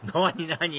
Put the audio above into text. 何？